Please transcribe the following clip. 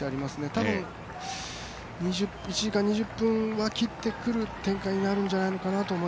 多分、１時間２０分は切ってくる展開になるんじゃないかなと。